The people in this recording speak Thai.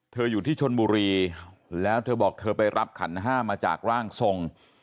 อยู่ที่ชนบุรีแล้วเธอบอกเธอไปรับขันห้ามาจากร่างทรง